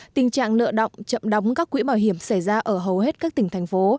tình trạng nợ động chậm đóng các quỹ bảo hiểm xảy ra ở hầu hết các tỉnh thành phố